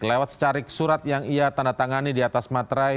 lewat secarik surat yang ia tanda tangani di atas matrai